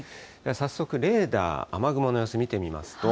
早速、レーダー、雨雲の様子見てみますと。